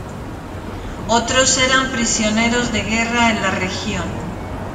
Otros eran prisioneros de guerra en la región.